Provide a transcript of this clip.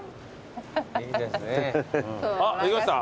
あっできました？